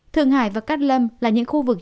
thượng hải và cát lâm là những khu vực